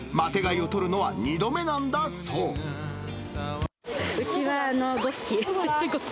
マテ貝を取るのは２度目なんだそうちは５匹。